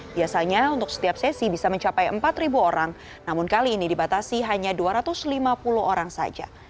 biasanya untuk setiap sesi bisa mencapai empat orang namun kali ini dibatasi hanya dua ratus lima puluh orang saja